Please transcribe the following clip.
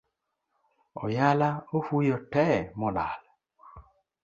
Oyala ofuyo te molal